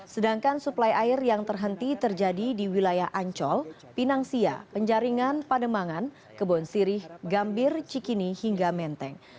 sedangkan suplai air yang terhenti terjadi di wilayah ancol pinang sia penjaringan pademangan kebon sirih gambir cikini hingga menteng